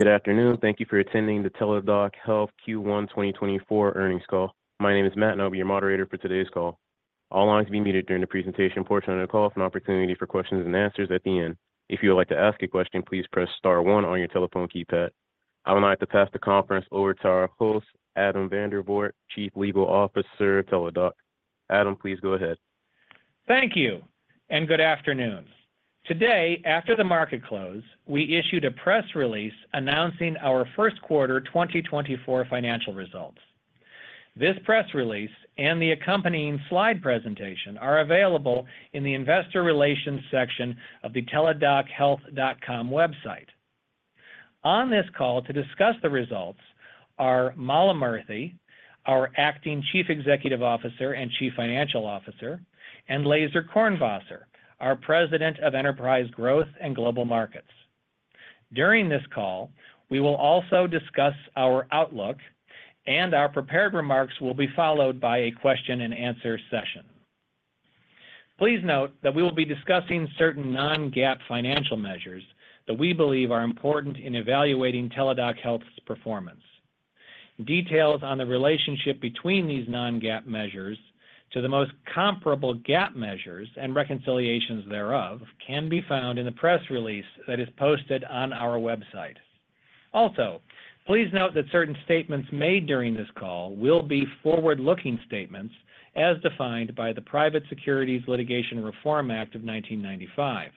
Good afternoon. Thank you for attending the Teladoc Health Q1 2024 earnings call. My name is Matt, and I'll be your moderator for today's call. All lines will be muted during the presentation portion of the call for an opportunity for questions and answers at the end. If you would like to ask a question, please press star one on your telephone keypad. I would like to pass the conference over to our host, Adam Vandervoort, Chief Legal Officer at Teladoc. Adam, please go ahead. Thank you, and good afternoon. Today, after the market close, we issued a press release announcing our first quarter 2024 financial results. This press release and the accompanying slide presentation are available in the Investor Relations section of the teladochealth.com website. On this call to discuss the results are Mala Murthy, our Acting Chief Executive Officer and Chief Financial Officer, and Laizer Kornwasser, our President of Enterprise Growth and Global Markets. During this call, we will also discuss our outlook, and our prepared remarks will be followed by a question-and-answer session. Please note that we will be discussing certain non-GAAP financial measures that we believe are important in evaluating Teladoc Health's performance. Details on the relationship between these non-GAAP measures to the most comparable GAAP measures and reconciliations thereof can be found in the press release that is posted on our website. Also, please note that certain statements made during this call will be forward-looking statements as defined by the Private Securities Litigation Reform Act of 1995.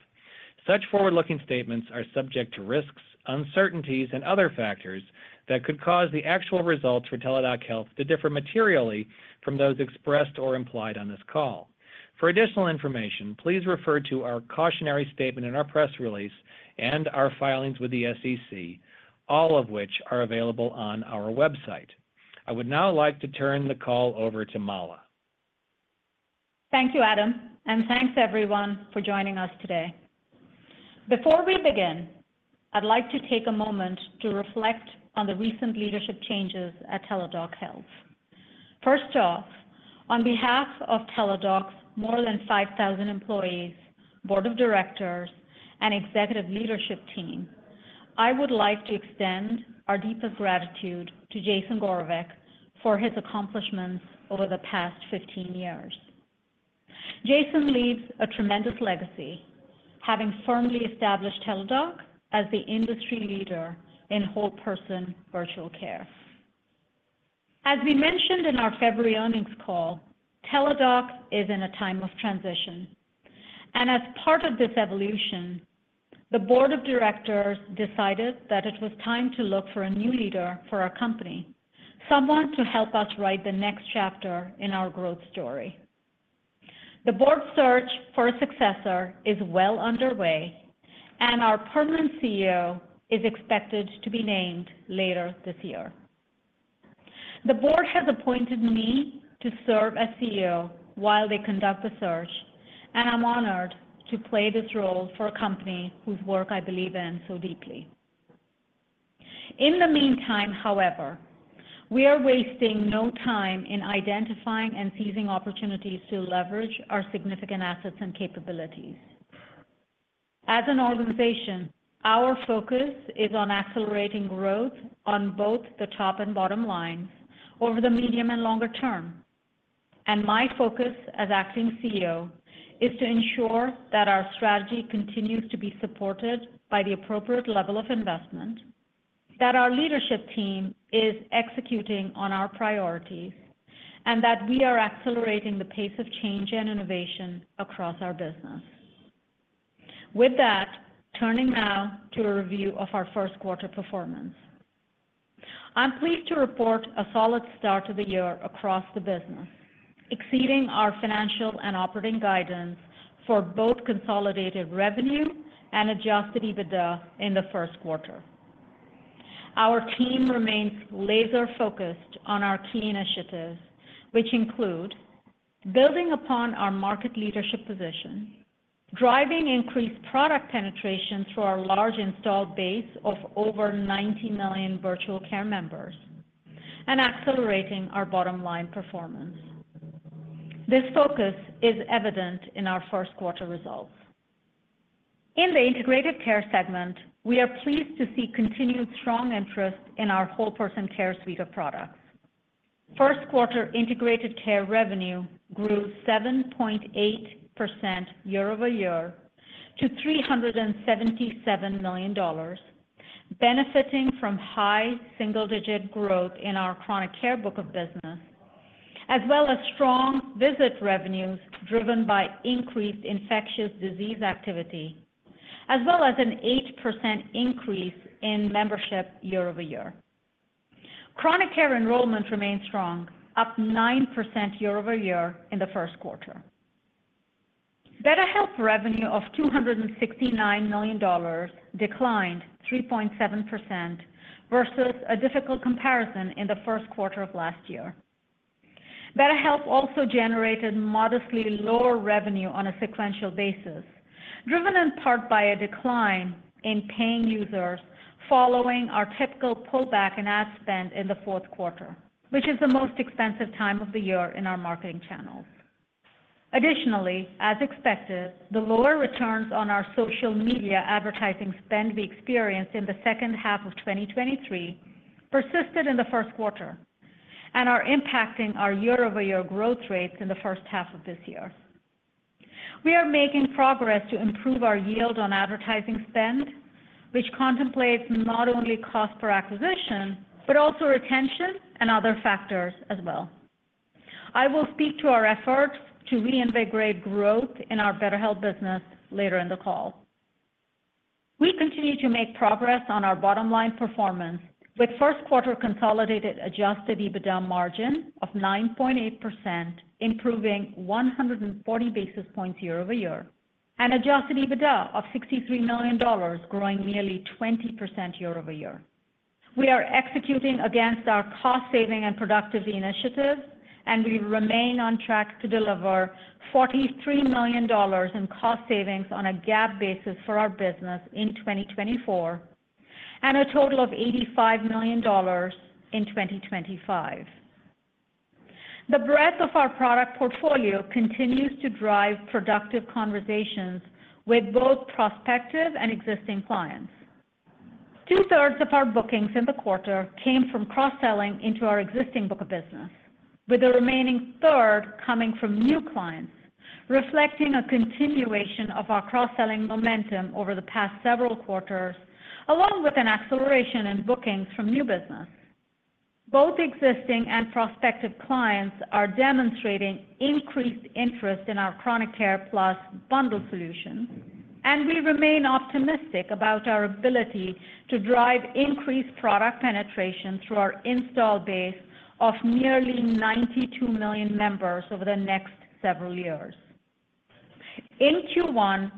Such forward-looking statements are subject to risks, uncertainties, and other factors that could cause the actual results for Teladoc Health to differ materially from those expressed or implied on this call. For additional information, please refer to our cautionary statement in our press release and our filings with the SEC, all of which are available on our website. I would now like to turn the call over to Mala. Thank you, Adam, and thanks everyone for joining us today. Before we begin, I'd like to take a moment to reflect on the recent leadership changes at Teladoc Health. First off, on behalf of Teladoc's more than 5,000 employees, board of directors, and executive leadership team, I would like to extend our deepest gratitude to Jason Gorevic for his accomplishments over the past 15 years. Jason leaves a tremendous legacy, having firmly established Teladoc as the industry leader in whole-person virtual care. As we mentioned in our February earnings call, Teladoc is in a time of transition, and as part of this evolution, the board of directors decided that it was time to look for a new leader for our company, someone to help us write the next chapter in our growth story. The board search for a successor is well underway, and our permanent CEO is expected to be named later this year. The board has appointed me to serve as CEO while they conduct the search, and I'm honored to play this role for a company whose work I believe in so deeply. In the meantime, however, we are wasting no time in identifying and seizing opportunities to leverage our significant assets and capabilities. As an organization, our focus is on accelerating growth on both the top and bottom lines over the medium and longer term. My focus as acting CEO is to ensure that our strategy continues to be supported by the appropriate level of investment, that our leadership team is executing on our priorities, and that we are accelerating the pace of change and innovation across our business. With that, turning now to a review of our first quarter performance. I'm pleased to report a solid start to the year across the business, exceeding our financial and operating guidance for both consolidated revenue and Adjusted EBITDA in the first quarter. Our team remains laser-focused on our key initiatives, which include building upon our market leadership position, driving increased product penetration through our large installed base of over 90 million Virtual Care members, and accelerating our bottom line performance. This focus is evident in our first quarter results. In the Integrated Care segment, we are pleased to see continued strong interest in our whole person care suite of products. First quarter Integrated Care revenue grew 7.8% year-over-year to $377 million, benefiting from high single-digit growth in our Chronic Care book of business, as well as strong visit revenues driven by increased infectious disease activity, as well as an 8% increase in membership year-over-year. Chronic Care enrollment remains strong, up 9% year-over-year in the first quarter. BetterHelp revenue of $269 million declined 3.7% versus a difficult comparison in the first quarter of last year. BetterHelp also generated modestly lower revenue on a sequential basis, driven in part by a decline in paying users following our typical pullback in ad spend in the fourth quarter, which is the most expensive time of the year in our marketing channels. Additionally, as expected, the lower returns on our social media advertising spend we experienced in the second half of 2023 persisted in the first quarter, and are impacting our year-over-year growth rates in the first half of this year. We are making progress to improve our yield on advertising spend, which contemplates not only cost per acquisition, but also retention and other factors as well. I will speak to our efforts to reinvigorate growth in our BetterHelp business later in the call. We continue to make progress on our bottom line performance, with first quarter consolidated adjusted EBITDA margin of 9.8%, improving 140 basis points year-over-year, and adjusted EBITDA of $63 million, growing nearly 20% year-over-year. We are executing against our cost-saving and productivity initiatives, and we remain on track to deliver $43 million in cost savings on a GAAP basis for our business in 2024, and a total of $85 million in 2025. The breadth of our product portfolio continues to drive productive conversations with both prospective and existing clients. 2/3 of our bookings in the quarter came from cross-selling into our existing book of business, with the remaining third coming from new clients, reflecting a continuation of our cross-selling momentum over the past several quarters, along with an acceleration in bookings from new business. Both existing and prospective clients are demonstrating increased interest in our Chronic Care Plus bundle solution, and we remain optimistic about our ability to drive increased product penetration through our install base of nearly 92 million members over the next several years. In Q1,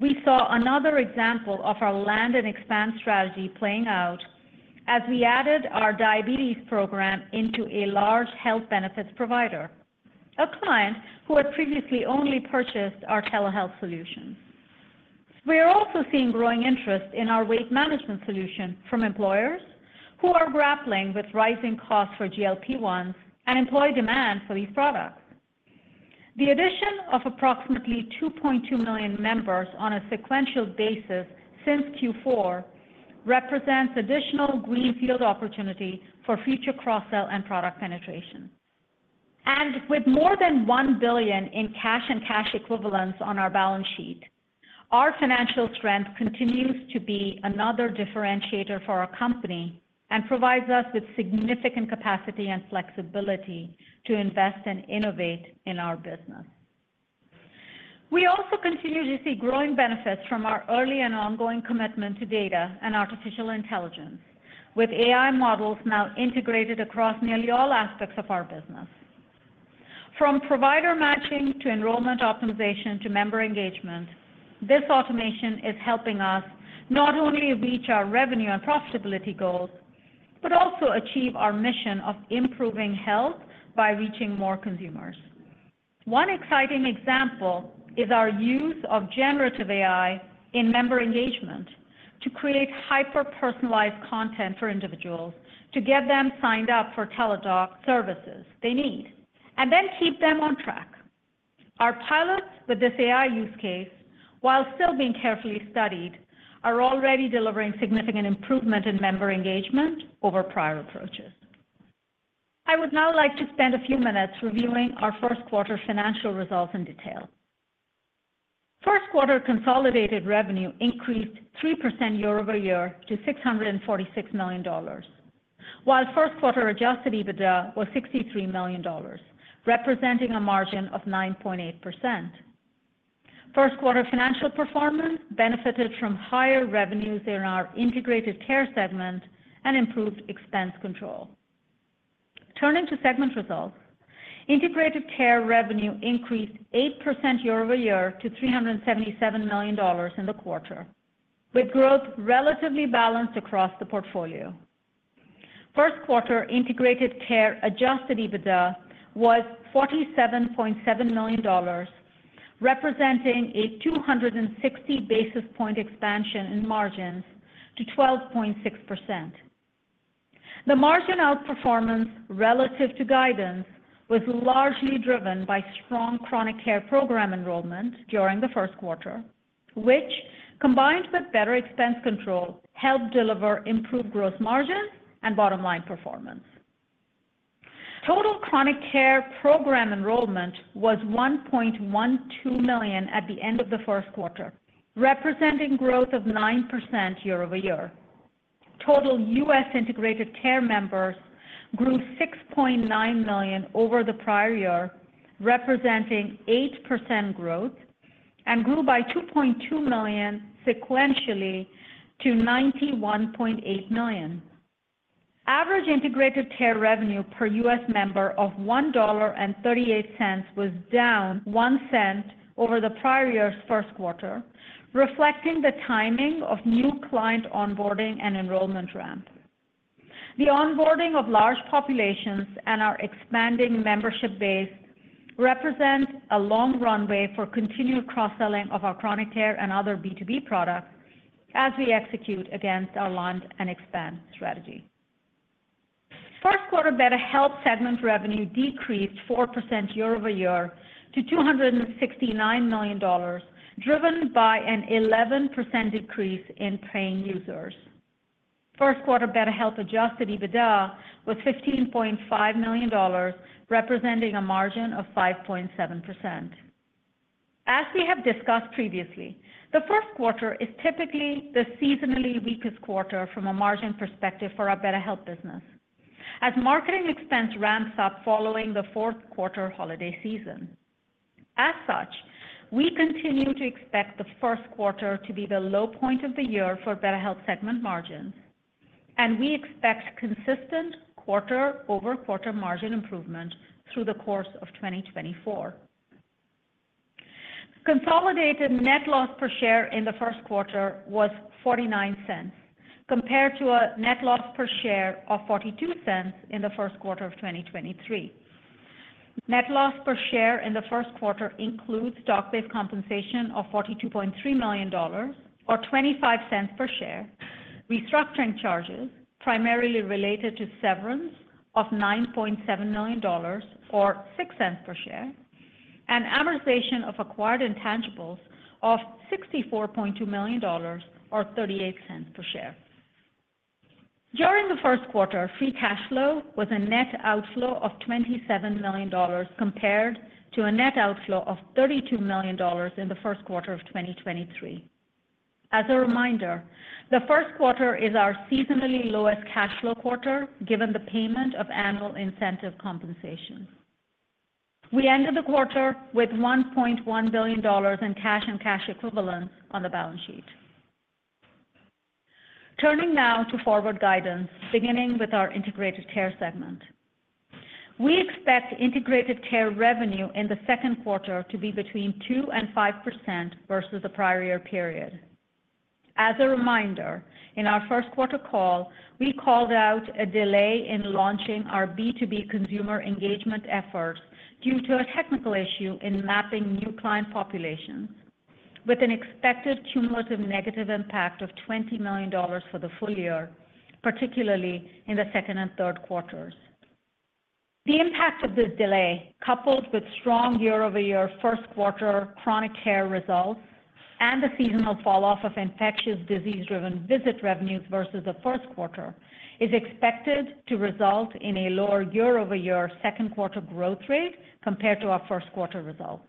we saw another example of our land and expand strategy playing out as we added our diabetes program into a large health benefits provider, a client who had previously only purchased our telehealth solutions. We are also seeing growing interest in our weight management solution from employers who are grappling with rising costs for GLP-1s and employee demand for these products. The addition of approximately 2.2 million members on a sequential basis since Q4 represents additional greenfield opportunity for future cross-sell and product penetration. With more than $1 billion in cash and cash equivalents on our balance sheet, our financial strength continues to be another differentiator for our company and provides us with significant capacity and flexibility to invest and innovate in our business. We also continue to see growing benefits from our early and ongoing commitment to data and artificial intelligence, with AI models now integrated across nearly all aspects of our business. From provider matching, to enrollment optimization, to member engagement, this automation is helping us not only reach our revenue and profitability goals, but also achieve our mission of improving health by reaching more consumers. One exciting example is our use of generative AI in member engagement to create hyper-personalized content for individuals to get them signed up for Teladoc services they need, and then keep them on track. Our pilots with this AI use case, while still being carefully studied, are already delivering significant improvement in member engagement over prior approaches. I would now like to spend a few minutes reviewing our first quarter financial results in detail. First quarter consolidated revenue increased 3% year-over-year to $646 million, while first quarter Adjusted EBITDA was $63 million, representing a margin of 9.8%. First quarter financial performance benefited from higher revenues in our Integrated Care segment and improved expense control. Turning to segment results, Integrated Care revenue increased 8% year-over-year to $377 million in the quarter, with growth relatively balanced across the portfolio. First quarter Integrated Care Adjusted EBITDA was $47.7 million, representing a 260 basis point expansion in margins to 12.6%. The margin outperformance relative to guidance was largely driven by strong Chronic Care program enrollment during the first quarter, which, combined with better expense control, helped deliver improved gross margins and bottom line performance. Total Chronic Care program enrollment was 1.12 million at the end of the first quarter, representing growth of 9% year-over-year. Total U.S. Integrated Care members grew 6.9 million over the prior year, representing 8% growth, and grew by 2.2 million sequentially to 91.8 million. Average Integrated Care revenue per U.S. member of $1.38 was down 1 cent over the prior year's first quarter, reflecting the timing of new client onboarding and enrollment ramp. The onboarding of large populations and our expanding membership base represents a long runway for continued cross-selling of our Chronic Care and other B2B products as we execute against our land and expand strategy.... First quarter BetterHelp segment revenue decreased 4% year-over-year to $269 million, driven by an 11% decrease in paying users. First quarter BetterHelp Adjusted EBITDA was $15.5 million, representing a margin of 5.7%. As we have discussed previously, the first quarter is typically the seasonally weakest quarter from a margin perspective for our BetterHelp business, as marketing expense ramps up following the fourth quarter holiday season. As such, we continue to expect the first quarter to be the low point of the year for BetterHelp segment margins, and we expect consistent quarter-over-quarter margin improvement through the course of 2024. Consolidated net loss per share in the first quarter was $0.49, compared to a net loss per share of $0.42 in the first quarter of 2023. Net loss per share in the first quarter includes stock-based compensation of $42.3 million, or $0.25 per share, restructuring charges, primarily related to severance of $9.7 million, or $0.06 per share, and amortization of acquired intangibles of $64.2 million, or $0.38 per share. During the first quarter, free cash flow was a net outflow of $27 million, compared to a net outflow of $32 million in the first quarter of 2023. As a reminder, the first quarter is our seasonally lowest cash flow quarter, given the payment of annual incentive compensation. We ended the quarter with $1.1 billion in cash and cash equivalents on the balance sheet. Turning now to forward guidance, beginning with our Integrated Care segment. We expect Integrated Care revenue in the second quarter to be between 2%-5% versus the prior year period. As a reminder, in our first quarter call, we called out a delay in launching our B2B consumer engagement efforts due to a technical issue in mapping new client populations, with an expected cumulative negative impact of $20 million for the full year, particularly in the second and third quarters. The impact of this delay, coupled with strong year-over-year first quarter Chronic Care results and the seasonal falloff of infectious disease-driven visit revenues versus the first quarter, is expected to result in a lower year-over-year second quarter growth rate compared to our first quarter results.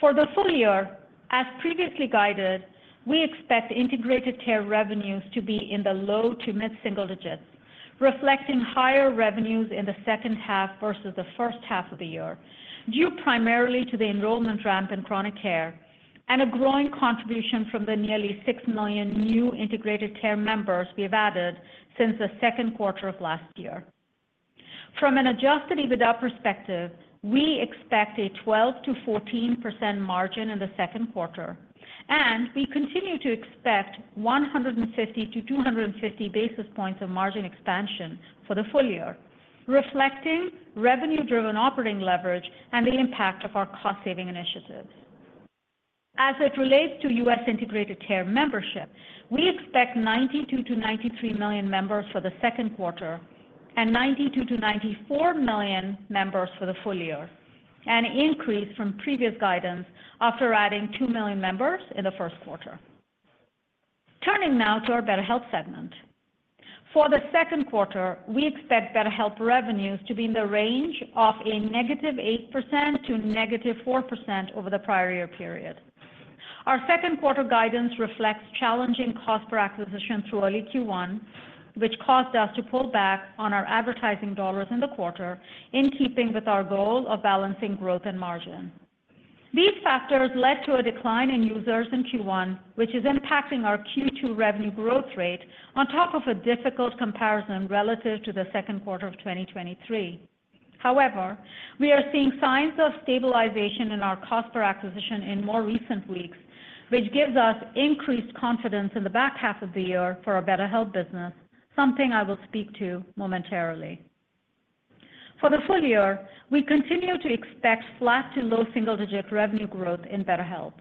For the full year, as previously guided, we expect Integrated Care revenues to be in the low to mid-single digits, reflecting higher revenues in the second half versus the first half of the year, due primarily to the enrollment ramp in Chronic Care and a growing contribution from the nearly 6 million new Integrated Care members we've added since the second quarter of last year. From an Adjusted EBITDA perspective, we expect a 12%-14% margin in the second quarter, and we continue to expect 150-250 basis points of margin expansion for the full year, reflecting revenue-driven operating leverage and the impact of our cost-saving initiatives. As it relates to U.S. Integrated Care membership, we expect 92 million-93 million members for the second quarter and 92 million-94 million members for the full year, an increase from previous guidance after adding 2 million members in the first quarter. Turning now to our BetterHelp segment. For the second quarter, we expect BetterHelp revenues to be in the range of -8% to -4% over the prior year period. Our second quarter guidance reflects challenging cost per acquisition through early Q1, which caused us to pull back on our advertising dollars in the quarter, in keeping with our goal of balancing growth and margin. These factors led to a decline in users in Q1, which is impacting our Q2 revenue growth rate on top of a difficult comparison relative to the second quarter of 2023. However, we are seeing signs of stabilization in our cost per acquisition in more recent weeks, which gives us increased confidence in the back half of the year for our BetterHelp business, something I will speak to momentarily. For the full year, we continue to expect flat to low single-digit revenue growth in BetterHelp.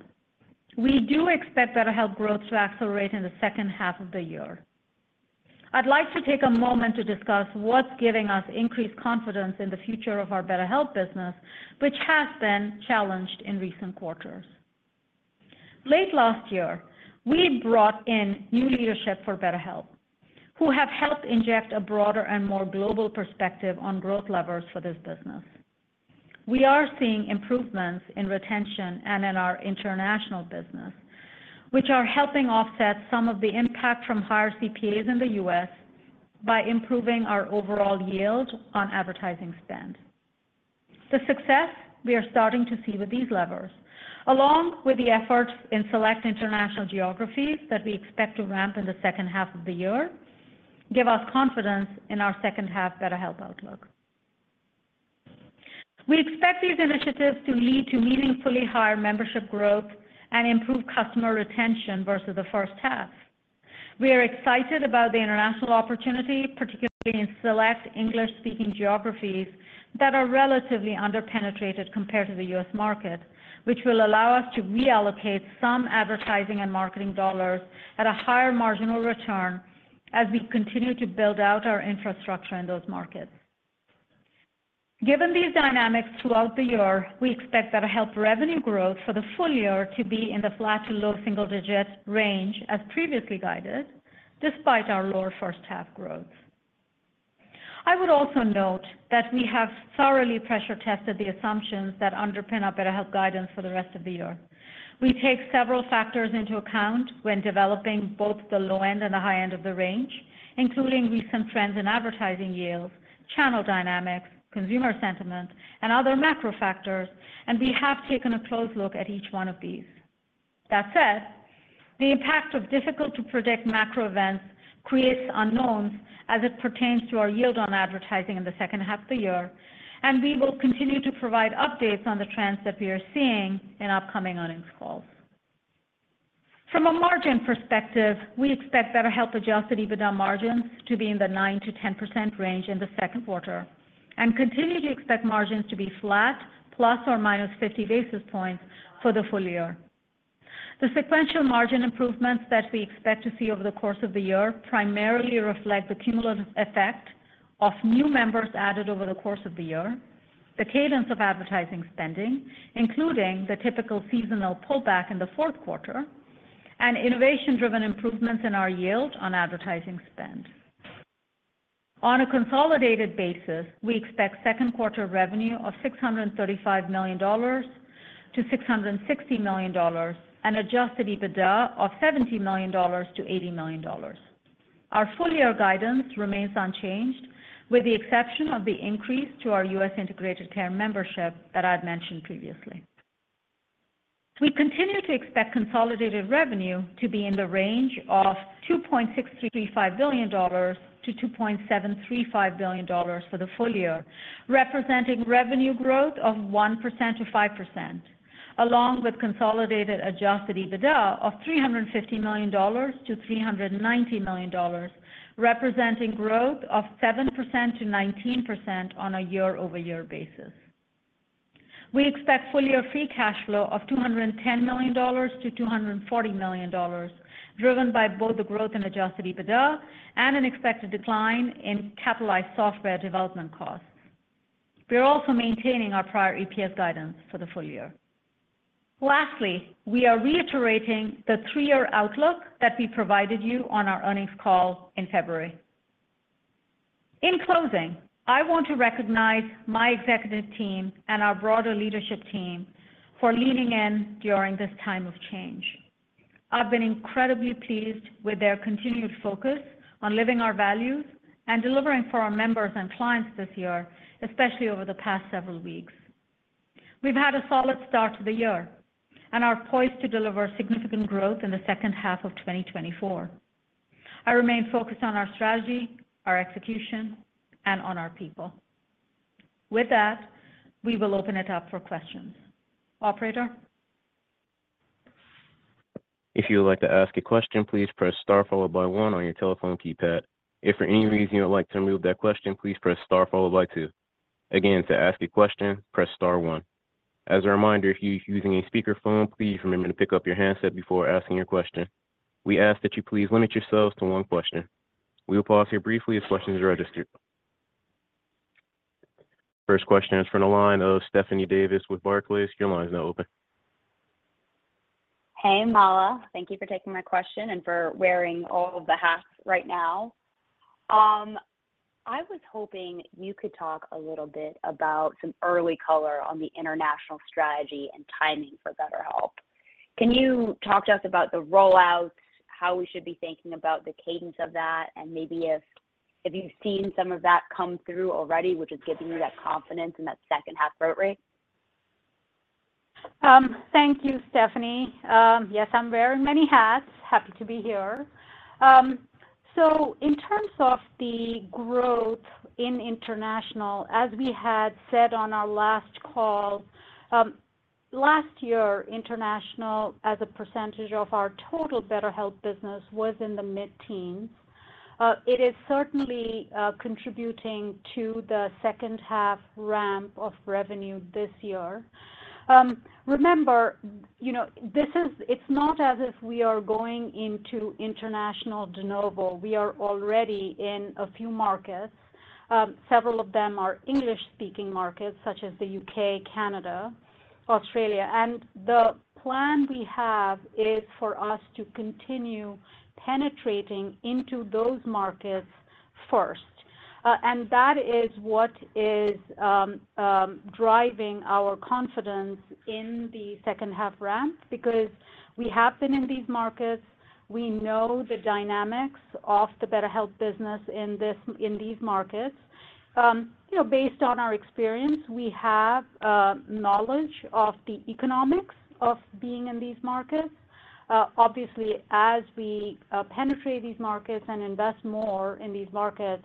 We do expect BetterHelp growth to accelerate in the second half of the year. I'd like to take a moment to discuss what's giving us increased confidence in the future of our BetterHelp business, which has been challenged in recent quarters. Late last year, we brought in new leadership for BetterHelp, who have helped inject a broader and more global perspective on growth levers for this business. We are seeing improvements in retention and in our international business, which are helping offset some of the impact from higher CPAs in the U.S. by improving our overall yield on advertising spend. The success we are starting to see with these levers, along with the efforts in select international geographies that we expect to ramp in the second half of the year, give us confidence in our second half BetterHelp outlook. We expect these initiatives to lead to meaningfully higher membership growth and improve customer retention versus the first half. We are excited about the international opportunity, particularly in select English-speaking geographies that are relatively underpenetrated compared to the U.S. market, which will allow us to reallocate some advertising and marketing dollars at a higher marginal return as we continue to build out our infrastructure in those markets. Given these dynamics throughout the year, we expect that our health revenue growth for the full year to be in the flat to low single-digit range as previously guided, despite our lower first half growth. I would also note that we have thoroughly pressure-tested the assumptions that underpin our BetterHelp guidance for the rest of the year. We take several factors into account when developing both the low end and the high end of the range, including recent trends in advertising yields, channel dynamics, consumer sentiment, and other macro factors, and we have taken a close look at each one of these. That said, the impact of difficult-to-predict macro events creates unknowns as it pertains to our yield on advertising in the second half of the year, and we will continue to provide updates on the trends that we are seeing in upcoming earnings calls. From a margin perspective, we expect BetterHelp Adjusted EBITDA margins to be in the 9%-10% range in the second quarter and continue to expect margins to be flat ±50 basis points for the full year. The sequential margin improvements that we expect to see over the course of the year primarily reflect the cumulative effect of new members added over the course of the year, the cadence of advertising spending, including the typical seasonal pullback in the fourth quarter, and innovation-driven improvements in our yield on advertising spend. On a consolidated basis, we expect second quarter revenue of $635 million-$660 million, and Adjusted EBITDA of $70 million-$80 million. Our full-year guidance remains unchanged, with the exception of the increase to our U.S. Integrated Care membership that I'd mentioned previously. We continue to expect consolidated revenue to be in the range of $2.635 billion-$2.735 billion for the full year, representing revenue growth of 1%-5%, along with consolidated Adjusted EBITDA of $350 million-$390 million, representing growth of 7%-19% on a year-over-year basis. We expect full-year free cash flow of $210 million-$240 million, driven by both the growth in Adjusted EBITDA and an expected decline in capitalized software development costs. We are also maintaining our prior EPS guidance for the full year. Lastly, we are reiterating the three-year outlook that we provided you on our earnings call in February. In closing, I want to recognize my executive team and our broader leadership team for leaning in during this time of change. I've been incredibly pleased with their continued focus on living our values and delivering for our members and clients this year, especially over the past several weeks. We've had a solid start to the year and are poised to deliver significant growth in the second half of 2024. I remain focused on our strategy, our execution, and on our people. With that, we will open it up for questions. Operator? If you would like to ask a question, please press star followed by one on your telephone keypad. If for any reason you would like to remove that question, please press star followed by two. Again, to ask a question, press star one. As a reminder, if you're using a speakerphone, please remember to pick up your handset before asking your question. We ask that you please limit yourselves to one question. We will pause here briefly as questions are registered. First question is from the line of Stephanie Davis with Barclays. Your line is now open. Hey, Mala. Thank you for taking my question and for wearing all of the hats right now. I was hoping you could talk a little bit about some early color on the international strategy and timing for BetterHelp. Can you talk to us about the rollouts, how we should be thinking about the cadence of that, and maybe if you've seen some of that come through already, which is giving you that confidence in that second half growth rate? Thank you, Stephanie. Yes, I'm wearing many hats. Happy to be here. So in terms of the growth in international, as we had said on our last call, last year, international, as a percentage of our total BetterHelp business, was in the mid-teens. It is certainly contributing to the second half ramp of revenue this year. Remember, you know, this is, it's not as if we are going into international de novo. We are already in a few markets. Several of them are English-speaking markets, such as the UK, Canada, Australia. The plan we have is for us to continue penetrating into those markets first. And that is what is driving our confidence in the second-half ramp because we have been in these markets. We know the dynamics of the BetterHelp business in this, in these markets. You know, based on our experience, we have knowledge of the economics of being in these markets. Obviously, as we penetrate these markets and invest more in these markets,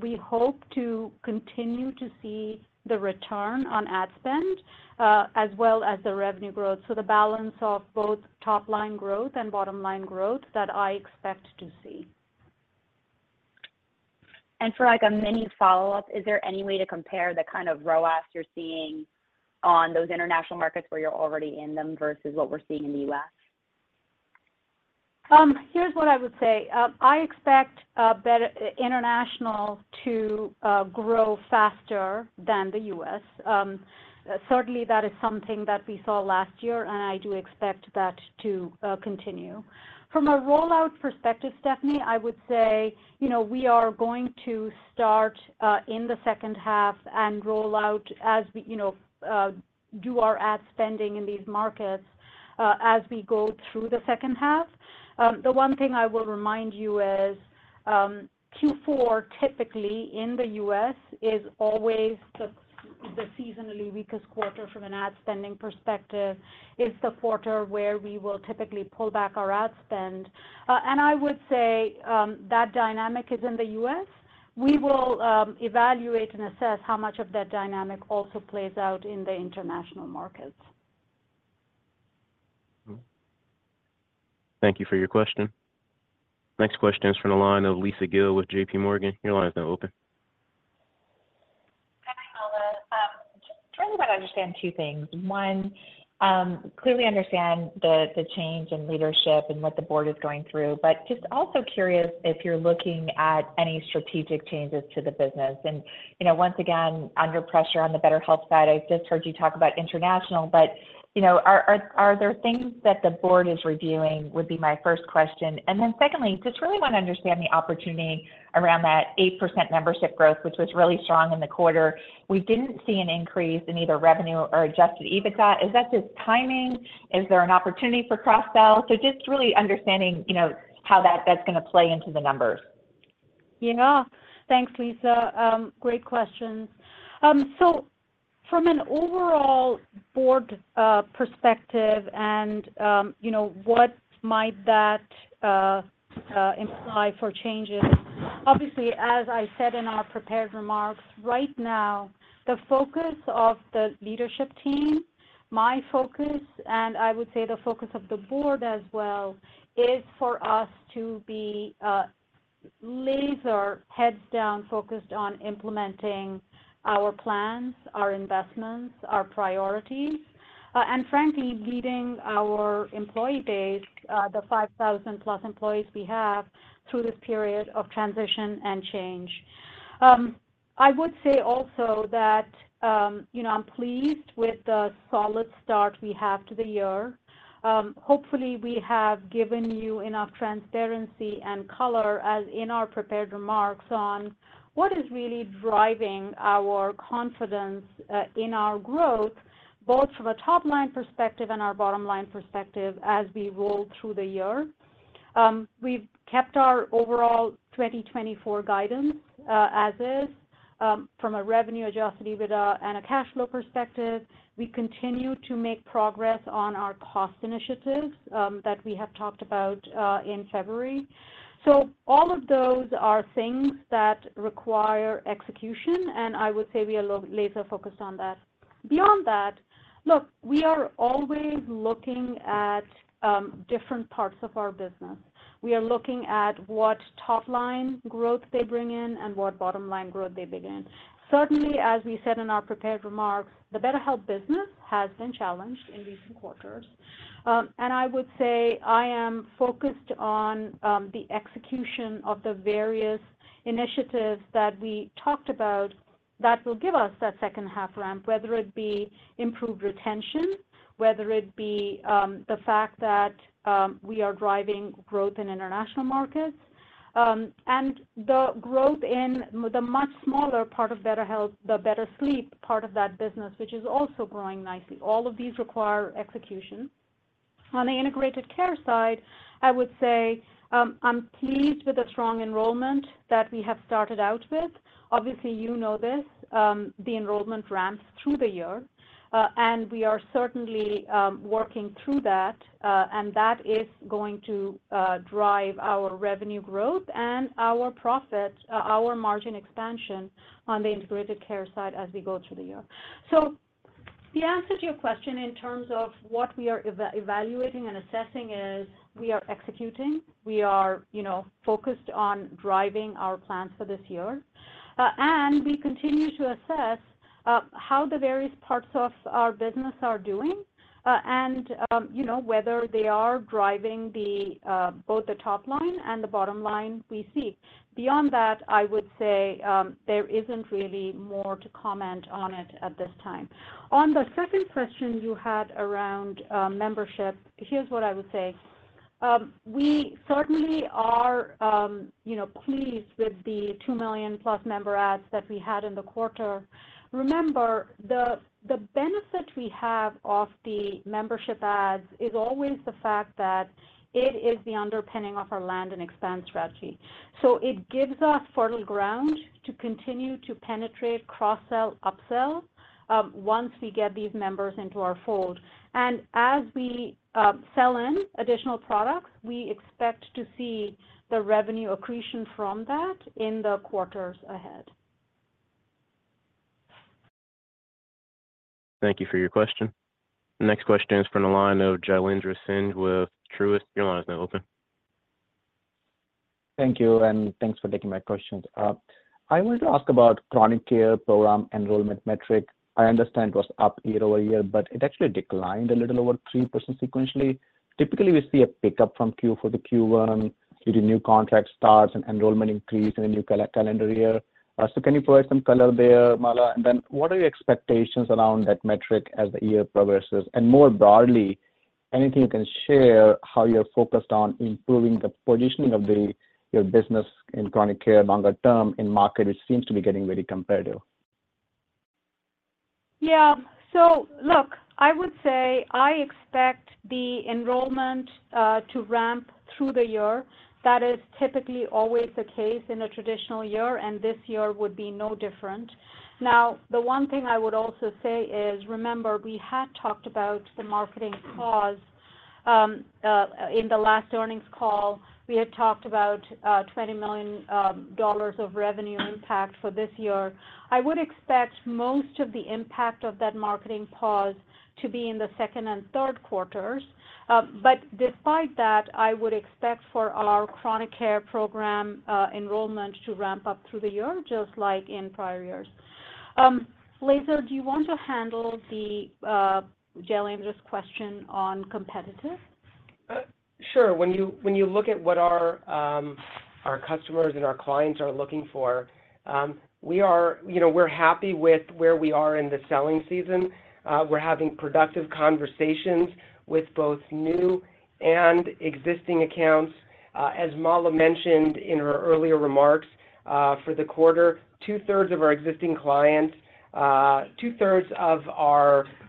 we hope to continue to see the return on ad spend, as well as the revenue growth. So the balance of both top-line growth and bottom-line growth that I expect to see. For, like, a mini follow-up, is there any way to compare the kind of ROAS you're seeing on those international markets where you're already in them versus what we're seeing in the U.S.?... Here's what I would say. I expect better international to grow faster than the U.S. Certainly, that is something that we saw last year, and I do expect that to continue. From a rollout perspective, Stephanie, I would say, you know, we are going to start in the second half and roll out as we, you know, do our ad spending in these markets as we go through the second half. The one thing I will remind you is Q4, typically in the U.S., is always the seasonally weakest quarter from an ad spending perspective. It's the quarter where we will typically pull back our ad spend. And I would say that dynamic is in the U.S. We will evaluate and assess how much of that dynamic also plays out in the international markets. Thank you for your question. Next question is from the line of Lisa Gill with JPMorgan. Your line is now open. Hi, Mala. Just trying to understand two things. One, clearly understand the change in leadership and what the board is going through, but just also curious if you're looking at any strategic changes to the business. And, you know, once again, under pressure on the BetterHelp side, I just heard you talk about international, but, you know, are, are, are there things that the board is reviewing, would be my first question. And then secondly, just really want to understand the opportunity around that 8% membership growth, which was really strong in the quarter. We didn't see an increase in either revenue or Adjusted EBITDA. Is that just timing? Is there an opportunity for cross-sell? So just really understanding, you know, how that, that's gonna play into the numbers. Yeah. Thanks, Lisa. Great questions. So from an overall board perspective and, you know, what might that imply for changes? Obviously, as I said in our prepared remarks, right now, the focus of the leadership team, my focus, and I would say the focus of the board as well, is for us to be laser heads down, focused on implementing our plans, our investments, our priorities, and frankly, leading our employee base, the 5,000+ employees we have, through this period of transition and change. I would say also that, you know, I'm pleased with the solid start we have to the year. Hopefully, we have given you enough transparency and color as in our prepared remarks on what is really driving our confidence in our growth, both from a top-line perspective and our bottom-line perspective as we roll through the year. We've kept our overall 2024 guidance as is from a revenue, Adjusted EBITDA, and a cash flow perspective. We continue to make progress on our cost initiatives that we have talked about in February. So all of those are things that require execution, and I would say we are laser-focused on that. Beyond that, look, we are always looking at different parts of our business. We are looking at what top-line growth they bring in and what bottom-line growth they bring in. Certainly, as we said in our prepared remarks, the BetterHelp business has been challenged in recent quarters. I would say I am focused on the execution of the various initiatives that we talked about that will give us that second-half ramp, whether it be improved retention, whether it be the fact that we are driving growth in international markets, and the growth in the much smaller part of BetterHelp, the BetterSleep part of that business, which is also growing nicely. All of these require execution. On the Integrated Care side, I would say I'm pleased with the strong enrollment that we have started out with. Obviously, you know this, the enrollment ramps through the year, and we are certainly working through that, and that is going to drive our revenue growth and our profit, our margin expansion on the Integrated Care side as we go through the year. So the answer to your question in terms of what we are evaluating and assessing is we are executing, we are, you know, focused on driving our plans for this year, and we continue to assess how the various parts of our business are doing, and, you know, whether they are driving both the top line and the bottom line we see. Beyond that, I would say, there isn't really more to comment on it at this time. On the second question you had around membership, here's what I would say: We certainly are, you know, pleased with the 2 million+ member adds that we had in the quarter. Remember, the benefit we have of the membership adds is always the fact that it is the underpinning of our land and expand strategy. It gives us fertile ground to continue to penetrate, cross-sell, upsell, once we get these members into our fold. As we sell in additional products, we expect to see the revenue accretion from that in the quarters ahead. Thank you for your question. The next question is from the line of Jailendra Singh with Truist. Your line is now open.... Thank you, and thanks for taking my questions. I wanted to ask about Chronic Care program enrollment metric. I understand it was up year-over-year, but it actually declined a little over 3% sequentially. Typically, we see a pickup from Q4 to Q1, due to new contract starts and enrollment increase in the new calendar year. So can you provide some color there, Mala? And then what are your expectations around that metric as the year progresses? And more broadly, anything you can share, how you're focused on improving the positioning of the, your business in Chronic Care longer term in market, which seems to be getting very competitive? Yeah. So look, I would say I expect the enrollment to ramp through the year. That is typically always the case in a traditional year, and this year would be no different. Now, the one thing I would also say is, remember, we had talked about the marketing pause in the last earnings call. We had talked about $20 million of revenue impact for this year. I would expect most of the impact of that marketing pause to be in the second and third quarters. But despite that, I would expect for our Chronic Care program enrollment to ramp up through the year, just like in prior years. Laizer, do you want to handle Jailendra's question on competitive? Sure. When you look at what our customers and our clients are looking for, we are, you know, we're happy with where we are in the selling season. We're having productive conversations with both new and existing accounts. As Mala mentioned in her earlier remarks, for the quarter, two-thirds of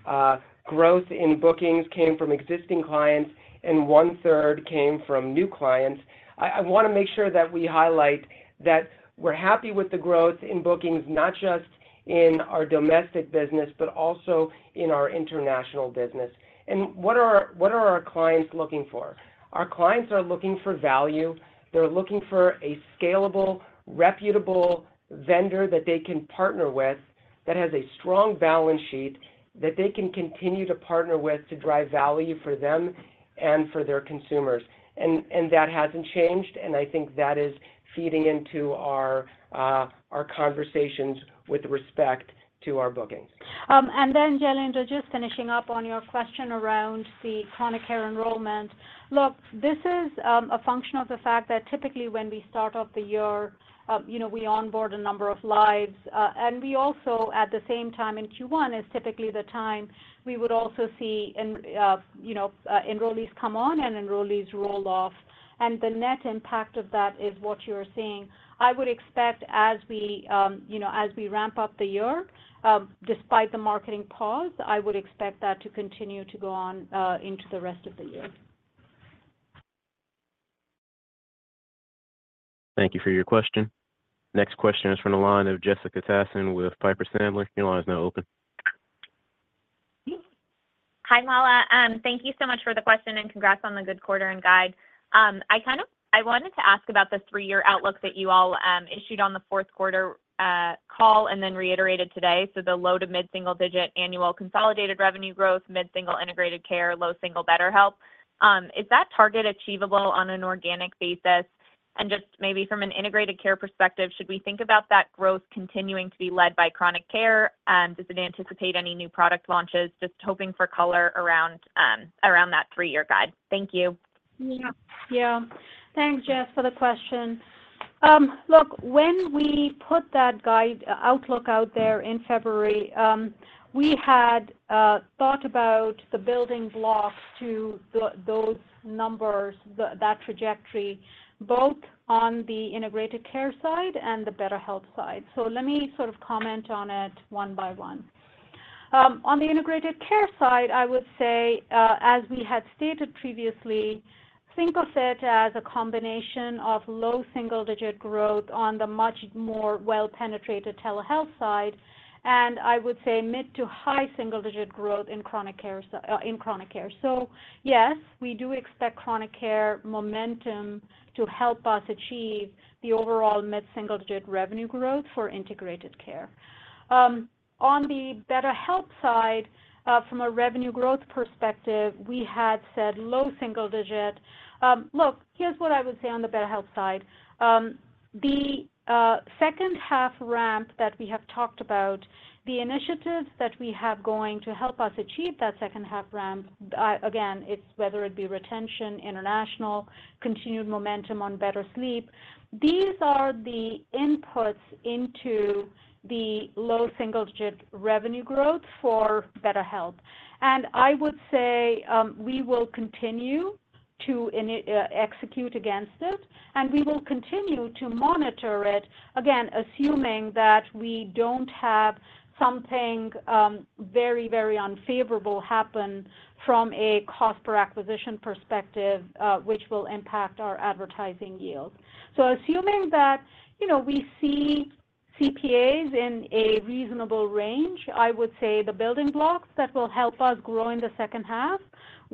our growth in bookings came from existing clients, and one-third came from new clients. I wanna make sure that we highlight that we're happy with the growth in bookings, not just in our domestic business, but also in our international business. What are our clients looking for? Our clients are looking for value. They're looking for a scalable, reputable vendor that they can partner with, that has a strong balance sheet, that they can continue to partner with to drive value for them and for their consumers. And that hasn't changed, and I think that is feeding into our conversations with respect to our bookings. And then, Jailendra, just finishing up on your question around the Chronic Care enrollment. Look, this is a function of the fact that typically when we start off the year, you know, we onboard a number of lives, and we also, at the same time, in Q1, is typically the time we would also see enrollees come on and enrollees roll off, and the net impact of that is what you're seeing. I would expect as we, you know, as we ramp up the year, despite the marketing pause, I would expect that to continue to go on into the rest of the year. Thank you for your question. Next question is from the line of Jessica Tassan with Piper Sandler. Your line is now open. Hi, Mala. Thank you so much for the question, and congrats on the good quarter and guide. I kind of I wanted to ask about the 3-year outlook that you all issued on the fourth quarter call and then reiterated today, so the low to mid-single-digit annual consolidated revenue growth, mid-single Integrated Care, low single BetterHelp. Is that target achievable on an organic basis? And just maybe from an Integrated Care perspective, should we think about that growth continuing to be led by Chronic Care? Does it anticipate any new product launches? Just hoping for color around that 3-year guide. Thank you. Yeah. Yeah. Thanks, Jess, for the question. Look, when we put that guidance outlook out there in February, we had thought about the building blocks to those numbers, that trajectory, both on the Integrated Care side and the BetterHelp side. So let me sort of comment on it one by one. On the Integrated Care side, I would say, as we had stated previously, think of it as a combination of low-single-digit growth on the much more well-penetrated telehealth side, and I would say mid- to high-single-digit growth in Chronic Care. So yes, we do expect Chronic Care momentum to help us achieve the overall mid-single-digit revenue growth for Integrated Care. On the BetterHelp side, from a revenue growth perspective, we had said low-single-digit. Look, here's what I would say on the BetterHelp side. The second half ramp that we have talked about, the initiatives that we have going to help us achieve that second half ramp, again, it's whether it be retention, international, continued momentum on BetterSleep. These are the inputs into the low single-digit revenue growth for BetterHelp. And I would say, we will continue to execute against it, and we will continue to monitor it, again, assuming that we don't have something very, very unfavorable happen from a cost per acquisition perspective, which will impact our advertising yield. So assuming that, you know, we see CPAs in a reasonable range, I would say the building blocks that will help us grow in the second half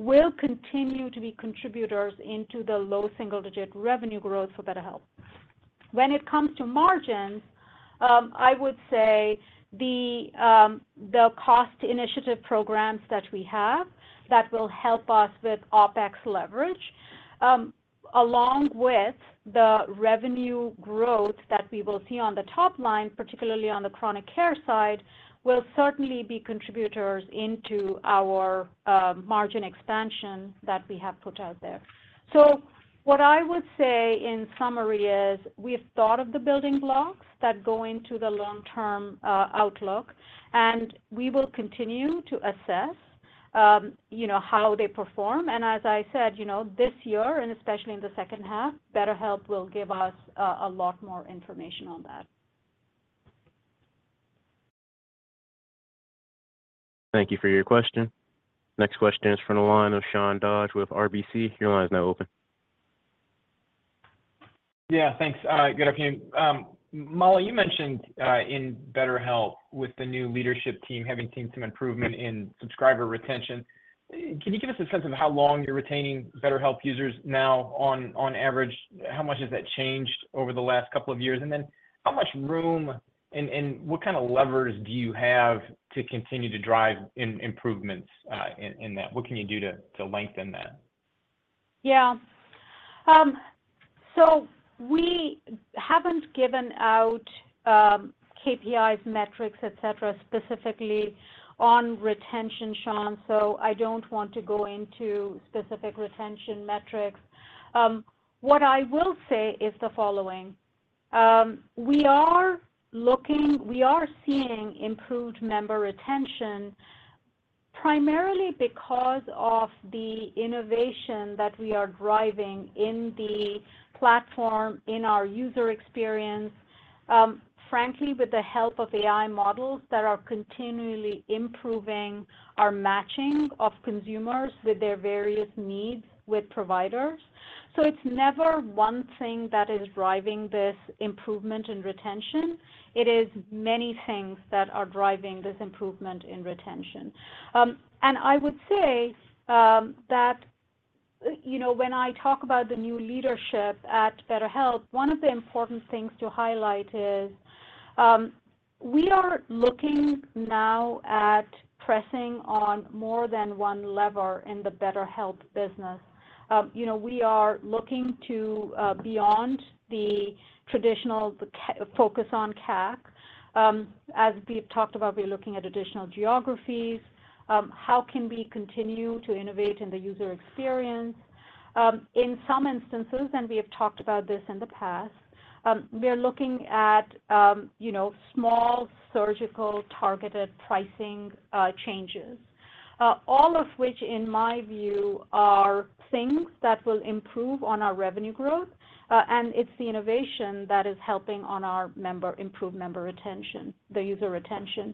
will continue to be contributors into the low single-digit revenue growth for BetterHelp. When it comes to margins, I would say the cost initiative programs that we have, that will help us with OpEx leverage, along with the revenue growth that we will see on the top line, particularly on the Chronic Care side, will certainly be contributors into our margin expansion that we have put out there. So what I would say in summary is, we have thought of the building blocks that go into the long-term outlook, and we will continue to assess, you know, how they perform. And as I said, you know, this year, and especially in the second half, BetterHelp will give us a lot more information on that. Thank you for your question. Next question is from the line of Sean Dodge with RBC. Your line is now open. Yeah, thanks. Good afternoon. Mala, you mentioned in BetterHelp with the new leadership team, having seen some improvement in subscriber retention. Can you give us a sense of how long you're retaining BetterHelp users now on average? How much has that changed over the last couple of years? And then how much room and what kind of levers do you have to continue to drive improvements in that? What can you do to lengthen that? Yeah. So we haven't given out KPIs, metrics, et cetera, specifically on retention, Sean, so I don't want to go into specific retention metrics. What I will say is the following: We are seeing improved member retention, primarily because of the innovation that we are driving in the platform, in our user experience, frankly, with the help of AI models that are continually improving our matching of consumers with their various needs with providers. So it's never one thing that is driving this improvement in retention. It is many things that are driving this improvement in retention. And I would say that, you know, when I talk about the new leadership at BetterHelp, one of the important things to highlight is we are looking now at pressing on more than one lever in the BetterHelp business. You know, we are looking to beyond the traditional CAC focus. As we've talked about, we're looking at additional geographies, how can we continue to innovate in the user experience? In some instances, and we have talked about this in the past, we are looking at, you know, small, surgical, targeted pricing changes, all of which, in my view, are things that will improve on our revenue growth, and it's the innovation that is helping to improve member retention, the user retention.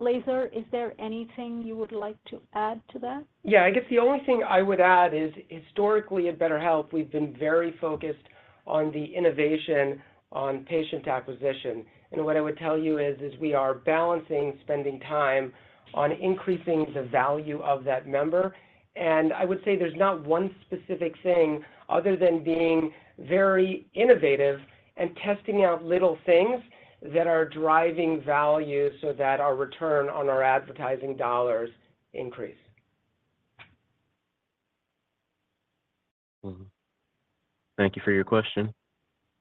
Laizer, is there anything you would like to add to that? Yeah, I guess the only thing I would add is, historically, at BetterHelp, we've been very focused on the innovation on patient acquisition. And what I would tell you is we are balancing spending time on increasing the value of that member. And I would say there's not one specific thing, other than being very innovative and testing out little things that are driving value so that our return on our advertising dollars increase. Mm-hmm. Thank you for your question.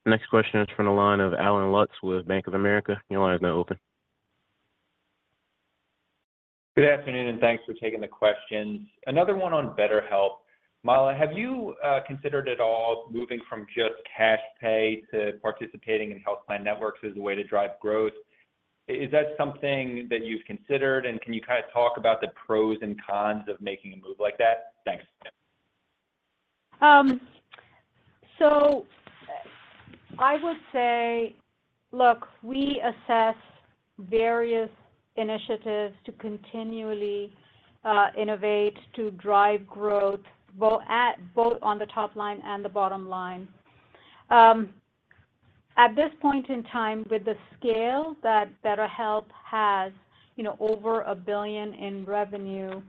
The next question is from the line of Allen Lutz with Bank of America. Your line is now open. Good afternoon, and thanks for taking the questions. Another one on BetterHelp. Mala, have you considered at all moving from just cash pay to participating in health plan networks as a way to drive growth? Is that something that you've considered, and can you kind of talk about the pros and cons of making a move like that? Thanks. So, I would say, look, we assess various initiatives to continually, innovate, to drive growth, both on the top line and the bottom line. At this point in time, with the scale that BetterHelp has, you know, over $1 billion in revenue,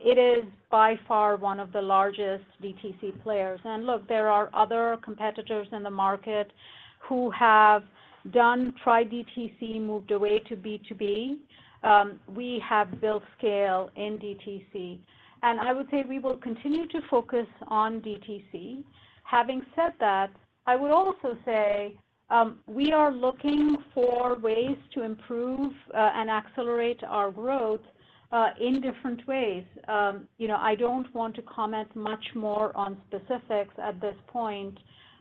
it is by far one of the largest DTC players. And look, there are other competitors in the market who have done, tried DTC, moved away to B2B. We have built scale in DTC, and I would say we will continue to focus on DTC. Having said that, I would also say, we are looking for ways to improve, and accelerate our growth, in different ways. You know, I don't want to comment much more on specifics at this point.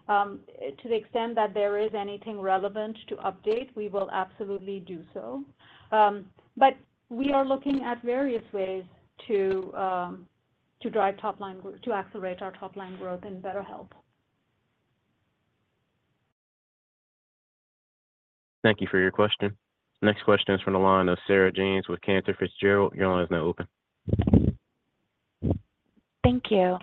To the extent that there is anything relevant to update, we will absolutely do so. But we are looking at various ways to drive top-line growth, to accelerate our top-line growth in BetterHelp. Thank you for your question. Next question is from the line of Sarah James with Cantor Fitzgerald. Your line is now open. Thank you.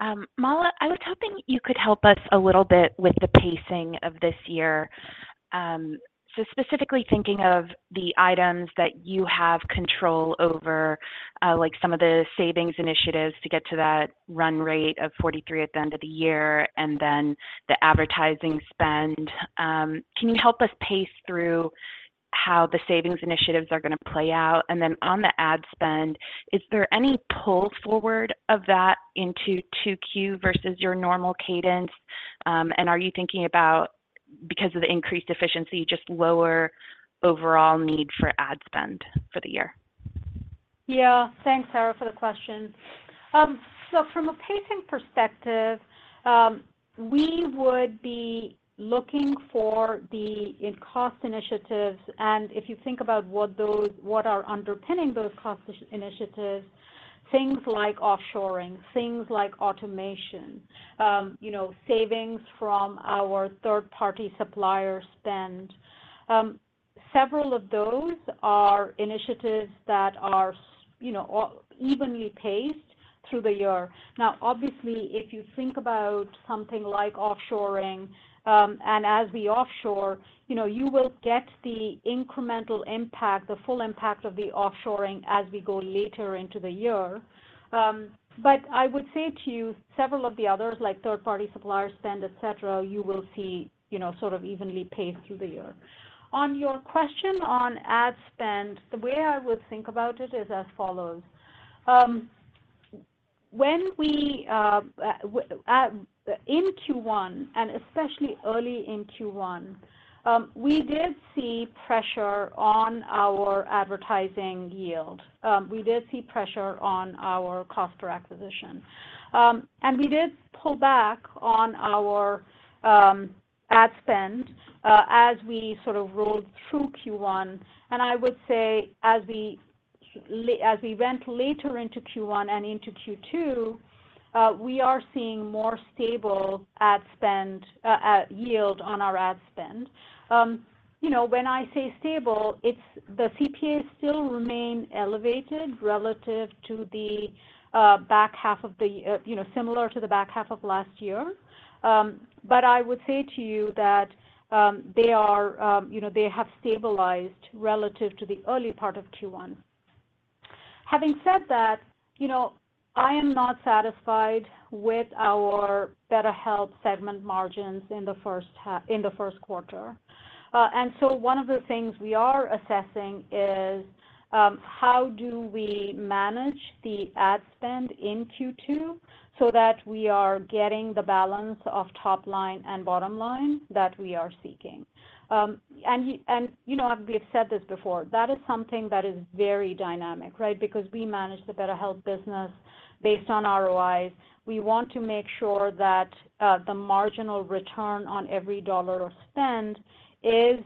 Mala, I was hoping you could help us a little bit with the pacing of this year. So specifically thinking of the items that you have control over, like some of the savings initiatives to get to that run rate of 43 at the end of the year, and then the advertising spend. Can you help us pace through how the savings initiatives are gonna play out? And then on the ad spend, is there any pull forward of that into 2Q versus your normal cadence? And are you thinking about, because of the increased efficiency, just lower overall need for ad spend for the year? Yeah. Thanks, Sarah, for the question. So from a pacing perspective, we would be looking for the in cost initiatives, and if you think about what are underpinning those cost initiatives, things like offshoring, things like automation, you know, savings from our third-party supplier spend. Several of those are initiatives that are so, you know, all evenly paced through the year. Now, obviously, if you think about something like offshoring, and as we offshore, you know, you will get the incremental impact, the full impact of the offshoring as we go later into the year. But I would say to you, several of the others, like third-party supplier spend, et cetera, you will see, you know, sort of evenly paced through the year. On your question on ad spend, the way I would think about it is as follows: When we in Q1, and especially early in Q1, we did see pressure on our advertising yield. We did see pressure on our cost per acquisition. And we did pull back on our ad spend as we sort of rolled through Q1. And I would say as we went later into Q1 and into Q2, we are seeing more stable ad spend yield on our ad spend. You know, when I say stable, it's the CPAs still remain elevated relative to the back half of the you know, similar to the back half of last year. But I would say to you that they are, you know, they have stabilized relative to the early part of Q1. Having said that, you know, I am not satisfied with our BetterHelp segment margins in the first half, in the first quarter. And so one of the things we are assessing is how do we manage the ad spend in Q2 so that we are getting the balance of top line and bottom line that we are seeking? And, you know, we have said this before, that is something that is very dynamic, right? Because we manage the BetterHelp business based on ROIs. We want to make sure that the marginal return on every dollar spent is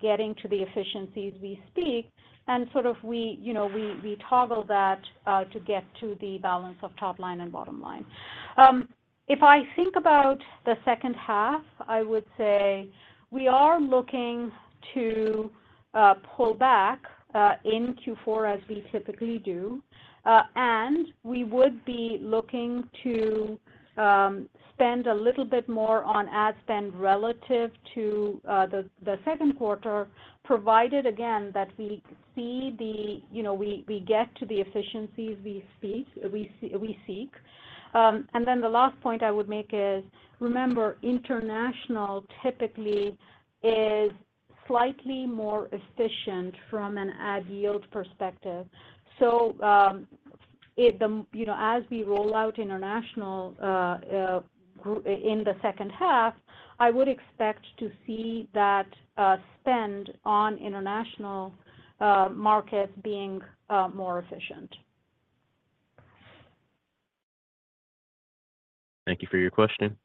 getting to the efficiencies we speak, and sort of we, you know, we toggle that to get to the balance of top line and bottom line. If I think about the second half, I would say we are looking to pull back in Q4 as we typically do, and we would be looking to spend a little bit more on ad spend relative to the second quarter, provided again that we see, you know, we get to the efficiencies we speak, we seek. And then the last point I would make is, remember, international typically is slightly more efficient from an ad yield perspective. So, if the, you know, as we roll out international in the second half, I would expect to see that spend on international markets being more efficient. Thank you for your question.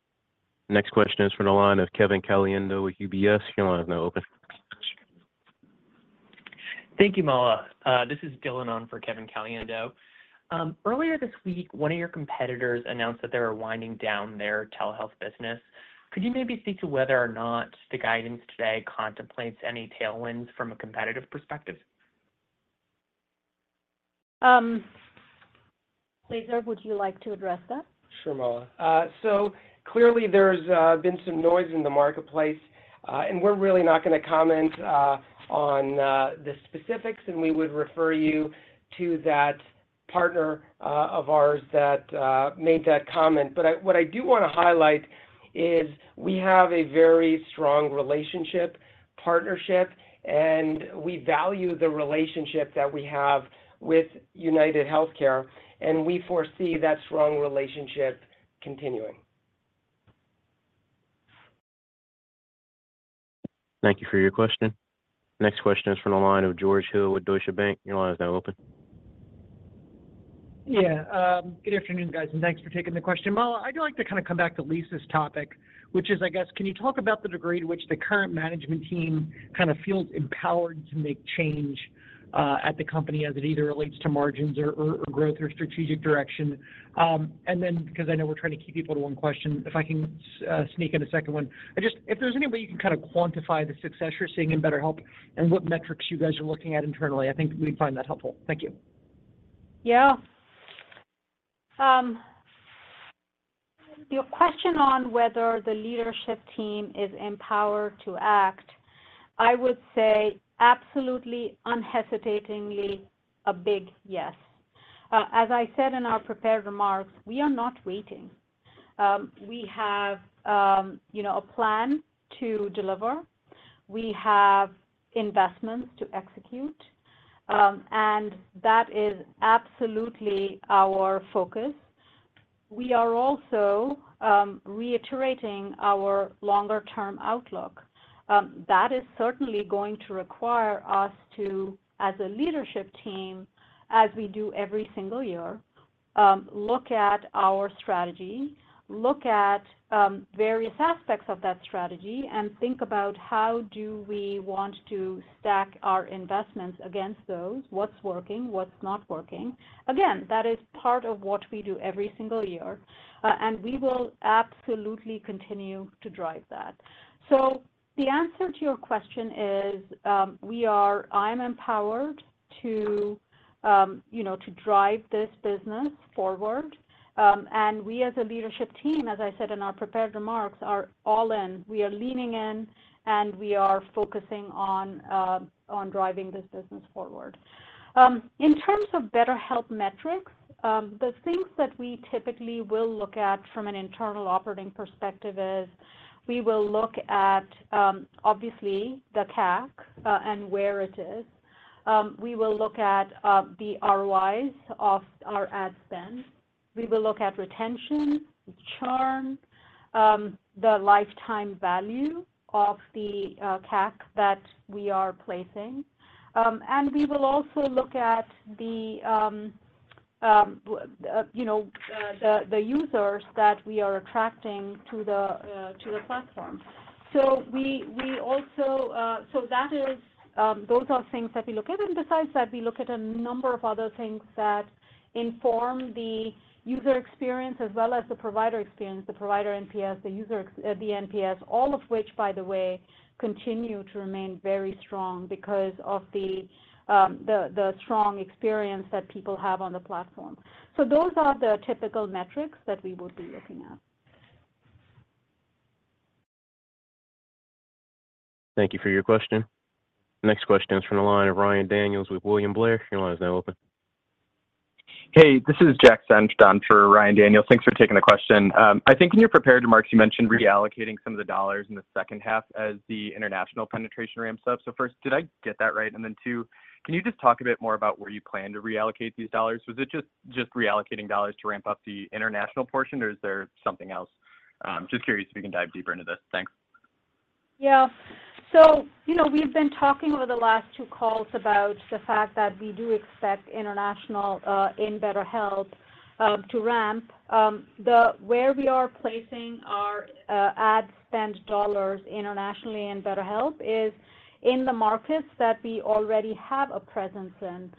Next question is from the line of Kevin Caliendo with UBS. Your line is now open. Thank you, Mala. This is Dylan on for Kevin Caliendo. Earlier this week, one of your competitors announced that they were winding down their telehealth business. Could you maybe speak to whether or not the guidance today contemplates any tailwinds from a competitive perspective? Laizer, would you like to address that? Sure, Mala. So clearly there's been some noise in the marketplace, and we're really not gonna comment on the specifics, and we would refer you to that partner of ours that made that comment. But what I do wanna highlight is we have a very strong relationship, partnership, and we value the relationship that we have with UnitedHealthcare, and we foresee that strong relationship continuing. Thank you for your question. Next question is from the line of George Hill with Deutsche Bank. Your line is now open. Yeah, good afternoon, guys, and thanks for taking the question. Mala, I'd like to kind of come back to Lisa's topic, which is, I guess, can you talk about the degree to which the current management team kind of feels empowered to make change at the company as it either relates to margins or growth or strategic direction? And then, because I know we're trying to keep people to one question, if I can sneak in a second one. If there's any way you can kind of quantify the success you're seeing in BetterHelp and what metrics you guys are looking at internally, I think we'd find that helpful. Thank you. Yeah. Your question on whether the leadership team is empowered to act, I would say absolutely, unhesitatingly, a big yes. As I said in our prepared remarks, we are not waiting. We have, you know, a plan to deliver. We have investments to execute, and that is absolutely our focus. We are also reiterating our longer term outlook. That is certainly going to require us to, as a leadership team, as we do every single year, look at our strategy, look at various aspects of that strategy, and think about how do we want to stack our investments against those, what's working, what's not working. Again, that is part of what we do every single year, and we will absolutely continue to drive that. So the answer to your question is, we are—I'm empowered to, you know, to drive this business forward. And we, as a leadership team, as I said in our prepared remarks, are all in. We are leaning in, and we are focusing on driving this business forward. In terms of BetterHelp metrics, the things that we typically will look at from an internal operating perspective is, we will look at, obviously, the TAC and where it is. We will look at the ROIs of our ad spend. We will look at retention, churn, the lifetime value of the TAC that we are placing. And we will also look at the, you know, the users that we are attracting to the platform. So we also, that is, those are things that we look at. And besides that, we look at a number of other things that inform the user experience as well as the provider experience, the provider NPS, the user NPS, all of which, by the way, continue to remain very strong because of the strong experience that people have on the platform. So those are the typical metrics that we would be looking at. Thank you for your question. Next question is from the line of Ryan Daniels with William Blair. Your line is now open. Hey, this is Jack Senft on for Ryan Daniels. Thanks for taking the question. I think in your prepared remarks, you mentioned reallocating some of the dollars in the second half as the international penetration ramps up. So first, did I get that right? And then two, can you just talk a bit more about where you plan to reallocate these dollars? Was it just, just reallocating dollars to ramp up the international portion, or is there something else? Just curious if you can dive deeper into this. Thanks. Yeah. So, you know, we've been talking over the last two calls about the fact that we do expect international in BetterHelp to ramp. Where we are placing our ad spend dollars internationally in BetterHelp is in the markets that we already have a presence in.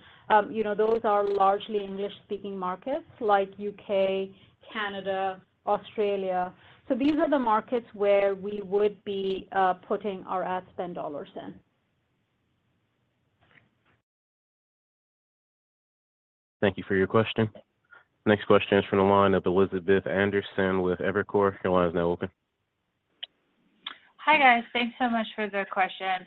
You know, those are largely English-speaking markets like UK, Canada, Australia. So these are the markets where we would be putting our ad spend dollars in. Thank you for your question. Next question is from the line of Elizabeth Anderson with Evercore. Your line is now open. Hi, guys. Thanks so much for the question.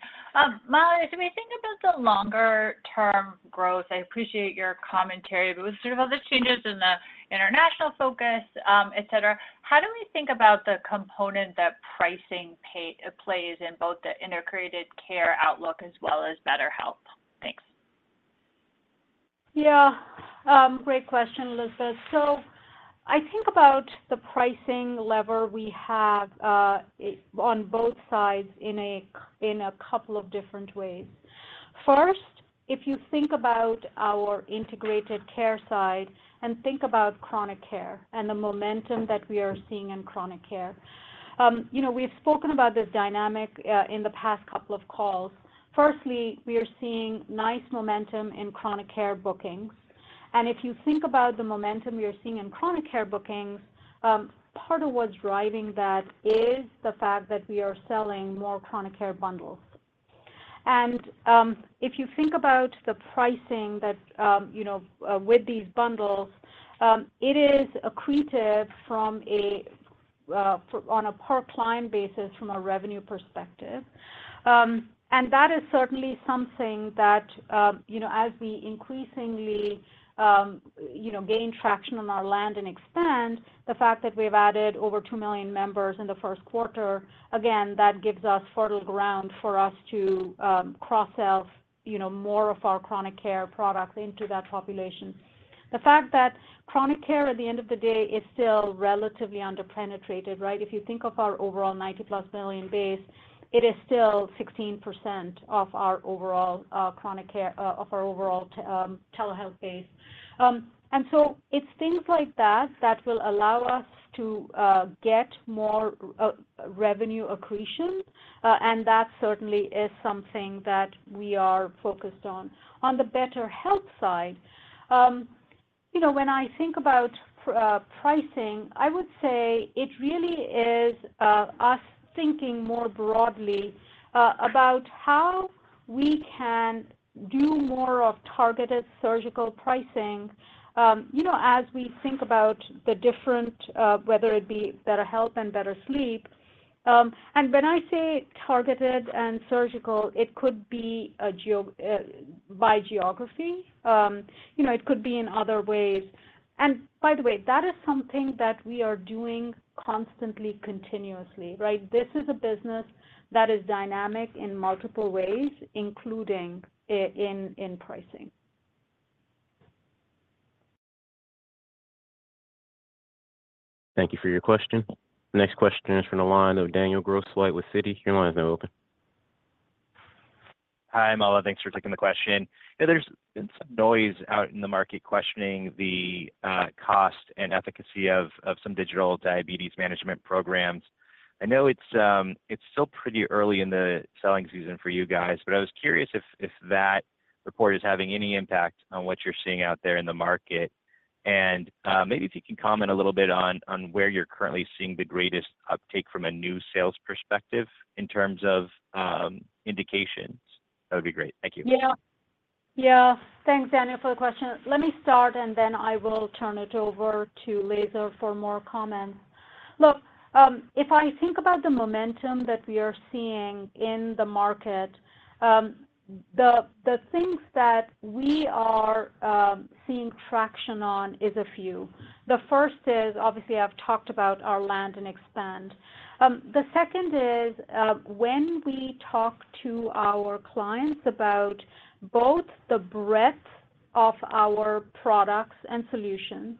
Mala, as we think about the longer-term growth, I appreciate your commentary, but with sort of all the changes in the international focus, et cetera, how do we think about the component that pricing plays in both the integrated care outlook as well as BetterHelp? Thanks. Yeah. Great question, Elizabeth. So I think about the pricing lever we have on both sides in a couple of different ways. First, if you think about our integrated care side and think about chronic care and the momentum that we are seeing in chronic care, you know, we've spoken about this dynamic in the past couple of calls. Firstly, we are seeing nice momentum in chronic care bookings. And if you think about the momentum we are seeing in chronic care bookings, part of what's driving that is the fact that we are selling more chronic care bundles. And if you think about the pricing that, you know, with these bundles, it is accretive on a per client basis from a revenue perspective. And that is certainly something that, you know, as we increasingly, you know, gain traction on our land and expand, the fact that we've added over 2 million members in the first quarter, again, that gives us fertile ground for us to, cross-sell, you know, more of our chronic care products into that population. The fact that chronic care, at the end of the day, is still relatively underpenetrated, right? If you think of our overall 90+ million base, it is still 16% of our overall chronic care of our overall telehealth base. And so it's things like that that will allow us to, get more, revenue accretion, and that certainly is something that we are focused on. On the BetterHelp side... You know, when I think about pricing, I would say it really is us thinking more broadly about how we can do more of targeted surgical pricing, you know, as we think about the different, whether it be BetterHelp and BetterSleep. And when I say targeted and surgical, it could be by geography. You know, it could be in other ways. And by the way, that is something that we are doing constantly, continuously, right? This is a business that is dynamic in multiple ways, including in pricing. Thank you for your question. The next question is from the line of Daniel Grosslight with Citi. Your line is now open. Hi, Mala. Thanks for taking the question. Yeah, there's been some noise out in the market questioning the cost and efficacy of some digital diabetes management programs. I know it's still pretty early in the selling season for you guys, but I was curious if that report is having any impact on what you're seeing out there in the market. And maybe if you can comment a little bit on where you're currently seeing the greatest uptake from a new sales perspective in terms of indications. That would be great. Thank you. Yeah. Yeah. Thanks, Daniel, for the question. Let me start, and then I will turn it over to Laizer for more comments. Look, if I think about the momentum that we are seeing in the market, the, the things that we are seeing traction on is a few. The first is, obviously, I've talked about our land and expand. The second is, when we talk to our clients about both the breadth of our products and solutions,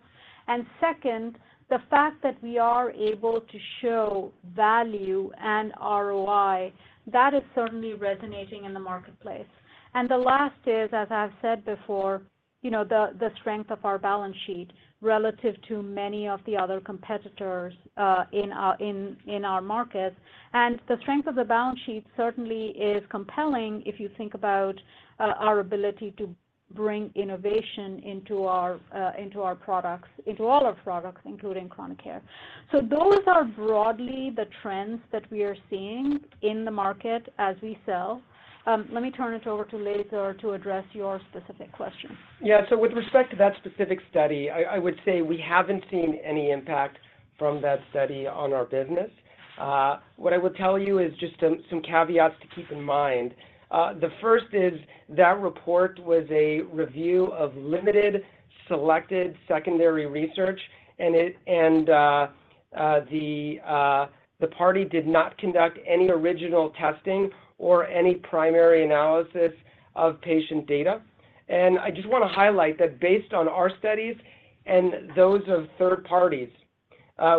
and second, the fact that we are able to show value and ROI, that is certainly resonating in the marketplace. And the last is, as I've said before, you know, the strength of our balance sheet relative to many of the other competitors in our markets. The strength of the balance sheet certainly is compelling if you think about our ability to bring innovation into our products, into all our products, including Chronic Care. So those are broadly the trends that we are seeing in the market as we sell. Let me turn it over to Laizer to address your specific question. Yeah. So with respect to that specific study, I would say we haven't seen any impact from that study on our business. What I will tell you is just some caveats to keep in mind. The first is that report was a review of limited, selected secondary research, and the party did not conduct any original testing or any primary analysis of patient data. And I just wanna highlight that based on our studies and those of third parties,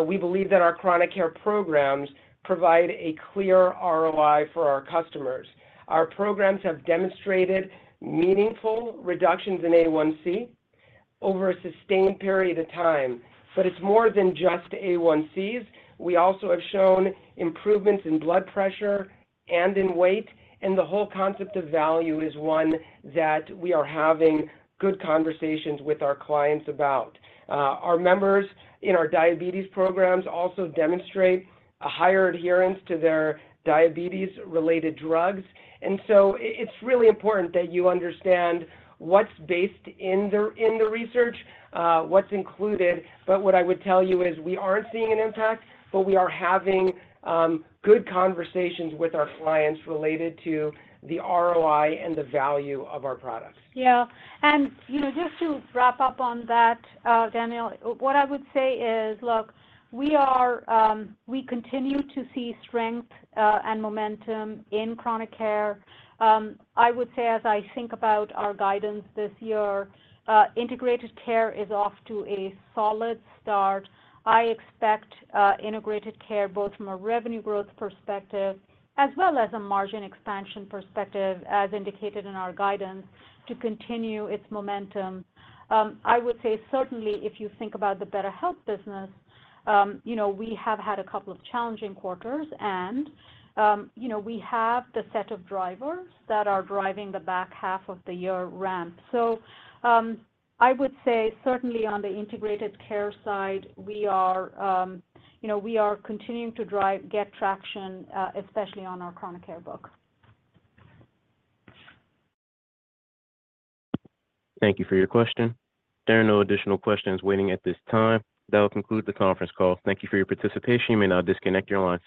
we believe that our chronic care programs provide a clear ROI for our customers. Our programs have demonstrated meaningful reductions in A1C over a sustained period of time, but it's more than just A1Cs. We also have shown improvements in blood pressure and in weight, and the whole concept of value is one that we are having good conversations with our clients about. Our members in our diabetes programs also demonstrate a higher adherence to their diabetes-related drugs. It's really important that you understand what's based in the research, what's included. But what I would tell you is we aren't seeing an impact, but we are having good conversations with our clients related to the ROI and the value of our products. Yeah. And, you know, just to wrap up on that, Daniel, what I would say is, look, we are, we continue to see strength, and momentum in Chronic Care. I would say, as I think about our guidance this year, Integrated Care is off to a solid start. I expect, Integrated Care, both from a revenue growth perspective as well as a margin expansion perspective, as indicated in our guidance, to continue its momentum. I would say certainly if you think about the BetterHelp business, you know, we have had a couple of challenging quarters and, you know, we have the set of drivers that are driving the back half of the year ramp. I would say certainly on the integrated care side, we are, you know, we are continuing to drive, get traction, especially on our chronic care book. Thank you for your question. There are no additional questions waiting at this time. That will conclude the conference call. Thank you for your participation. You may now disconnect your lines.